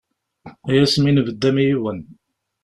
Ay asmi nbedd am yiwen.